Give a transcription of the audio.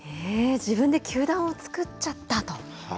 自分で球団を作っちゃったと？